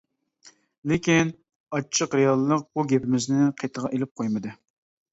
لېكىن، ئاچچىق رېئاللىق بۇ گېپىمىزنى قېتىغا ئېلىپ قويمىدى.